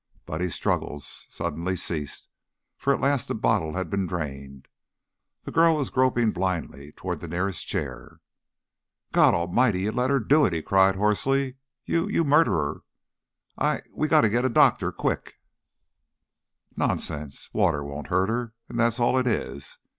Buddy's struggles suddenly ceased, for at last the bottle had been drained; the girl was groping blindly toward the nearest chair. "God'lmighty! You let her do it!" he cried, hoarsely. "You you murderer! We we gotta get a doctor, quick." "Nonsense! Water won't hurt her; and that's all it is.